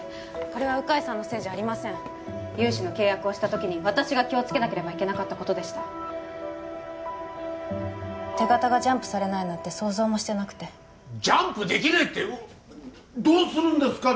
これは鵜飼さんのせいじゃありません融資の契約をした時に私が気をつけなければいけなかったことでした手形がジャンプされないなんて想像もしてなくてジャンプできねえってどうするんですか？